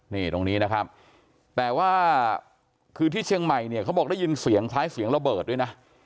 นี่ตรงนี้นะครับแต่ว่าคือที่เชียงใหม่เนี่ยเขาบอกได้ยินเสียงคล้ายเสียงระเบิดด้วยนะ